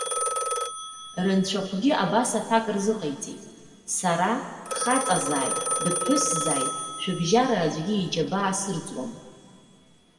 Рынцәахәгьы абас аҭак рзыҟаиҵеит:- Сара, дхаҵазааит, дыԥҳәысзааит, шәыбжьара аӡәгьы иџьабаа сырӡуам.